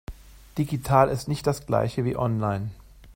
Digital ist nicht das Gleiche wie online.